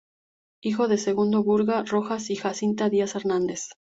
Hijo de Segundo Burga Rojas y Jacinta Díaz Hernández.